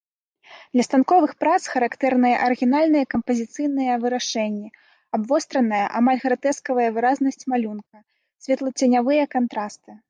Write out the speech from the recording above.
Для станковых прац характэрныя арыгінальныя кампазіцыйныя вырашэнні, абвостраная, амаль гратэскавая выразнасць малюнка, святлоценявыя кантрасты.